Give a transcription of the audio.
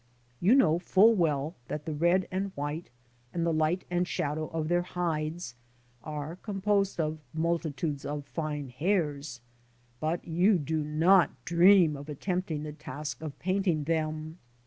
You know full well that the red and white, and the light and shadow of their hides, are composed of multitudes of fine hairs, but you do not dream of attempting the task of painting them.